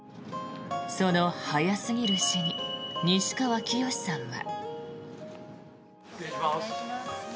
その早すぎる死に西川きよしさんは。